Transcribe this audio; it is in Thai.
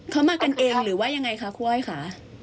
เขามากันเองหรือว่ายังไงคะครูอ้อยค่ะ